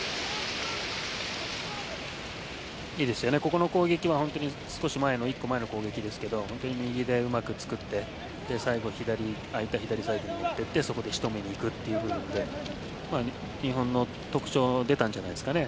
この攻撃は、少し前の１個前の攻撃ですけども本当に右でうまく作って最後、空いた左サイドに持って行ってそこで仕留めにいくという部分で日本の特徴が出たんじゃないですかね。